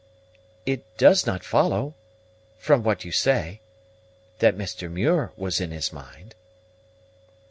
It does not follow, from what you say, that Mr. Muir was in his mind."